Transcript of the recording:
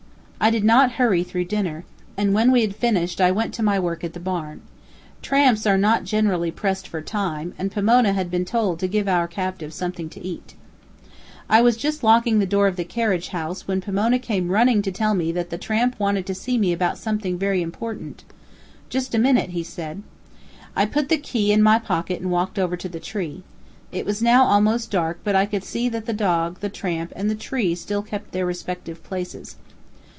I did not hurry through dinner, and when we had finished I went to my work at the barn. Tramps are not generally pressed for time, and Pomona had been told to give our captive something to eat. I was just locking the door of the carriage house, when Pomona came running to me to tell me that the tramp wanted to see me about something very important just a minute, he said. I put the key in my pocket and walked over to the tree. It was now almost dark, but I could see that the dog, the tramp, and the tree still kept their respective places.